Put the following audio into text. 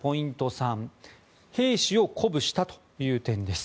３兵士を鼓舞したという点です。